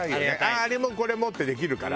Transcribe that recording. あれもこれもってできるから。